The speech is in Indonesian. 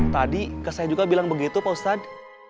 tadi ke saya juga bilang begitu pak ustad